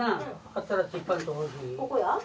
ここや。